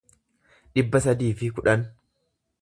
dhibba sadii fi kudhan